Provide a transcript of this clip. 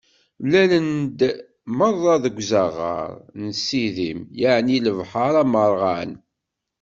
Mlalen-d meṛṛa deg uzaɣar n Sidim, yeɛni lebḥeṛ amerɣan.